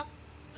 m sultan ini juga